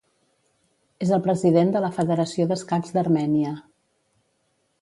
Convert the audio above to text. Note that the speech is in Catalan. És el president de la Federació d'Escacs d'Armènia.